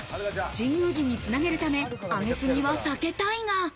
神宮寺につなげるため、上げすぎは避けたいが。